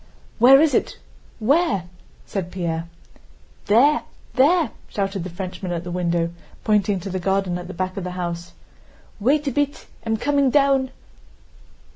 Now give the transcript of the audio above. "Where is it? Where?" said Pierre. "There! There!" shouted the Frenchman at the window, pointing to the garden at the back of the house. "Wait a bit—I'm coming down."